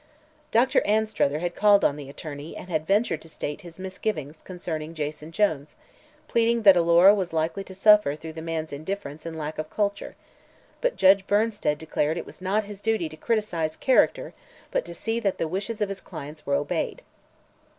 Dr. Anstruther had called on the attorney and had ventured to state his misgivings concerning Jason Jones, pleading that Alora was likely to suffer through the man's indifference and lack of culture, but Judge Bernsted declared it was not his duty to criticise character but to see that the wishes of his clients were obeyed.